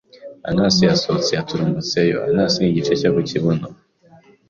anus yasohotse yaturumbutseyo, anus ni igice cyo ku kibuno